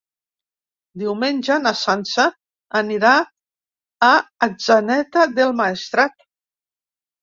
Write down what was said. Diumenge na Sança anirà a Atzeneta del Maestrat.